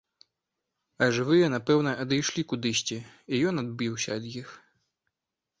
А жывыя, напэўна, адышлі кудысьці, і ён адбіўся ад іх.